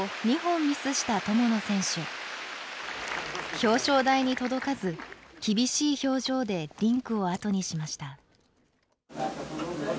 表彰台に届かず厳しい表情でリンクを後にしました。